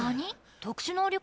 特殊能力？